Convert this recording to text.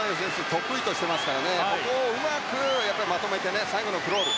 得意としてますからここをうまくまとめて最後のクロール。